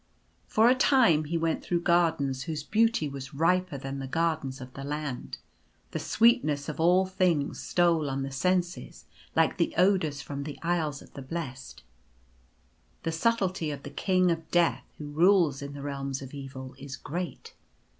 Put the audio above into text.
For a time he went through gardens whose beauty was riper than the gardens of the Land. The sweetness of all things stole on the senses like the odours from the Isles of the Blest. The subtlety of the King of Death, who rules in the Realms of Evil, is great.